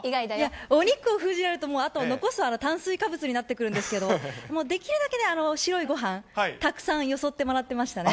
お肉を封じられると、残すはあと炭水化物になってくるんですけど、もうできるだけね、白いごはん、たくさんよそってもらっていましたね。